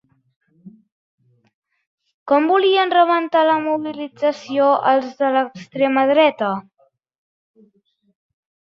Com volien rebentar la mobilització els de l'extrema dreta?